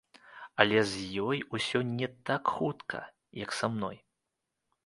Але з ёй усё не так хутка, як са мной.